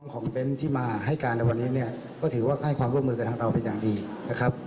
ของเบ้นที่มาให้การในวันนี้เนี่ยก็ถือว่าให้ความร่วมมือกับทางเราเป็นอย่างดีนะครับ